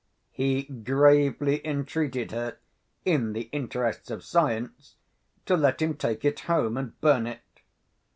He gravely entreated her (in the interests of science) to let him take it home and burn it.